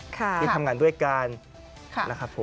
ที่ทำงานด้วยกันนะครับผม